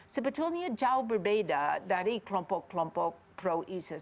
sebetulnya jauh berbeda dari kelompok kelompok pro isis